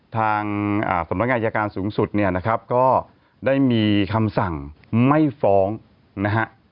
ทางสำนักงานอายการสูงสุดเนี่ยนะครับก็ได้มีคำสั่งไม่ฟ้องนะฮะ